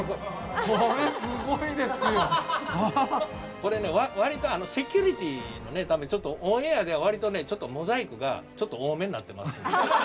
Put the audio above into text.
これねわりとセキュリティのためオンエアではわりとねちょっとモザイクがちょっと多めになってます。